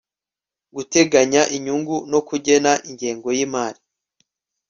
guteganya inyungu no kugena ingengo y imari